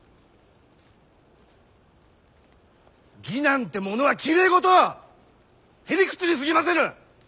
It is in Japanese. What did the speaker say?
義なんてものはきれい事！へ理屈にすぎませぬ！